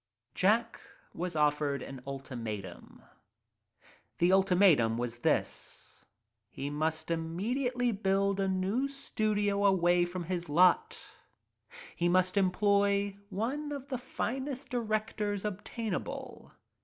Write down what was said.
Jack was offered an ultimatum. The ultimatum was this : He must immediately build a new studio away from his "lot." He must employ one of the finest directors obtainable.